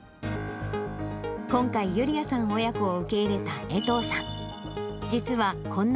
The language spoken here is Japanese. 今回、ユリヤさん親子を受け入れた衛藤さん。